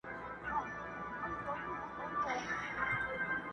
چي« رېبې به هغه څه چي دي کرلې»؛